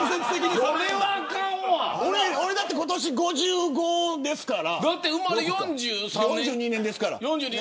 俺だって今年５５ですから。